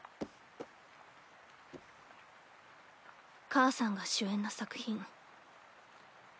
母さんが主演の作品。